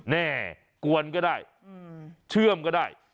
แน่กวนก็ได้เชื่อมก็ได้